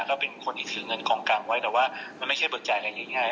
ก็เป็นคนที่ถือเงินกองกลางไว้แต่ว่ามันไม่ใช่เบิกจ่ายอะไรง่าย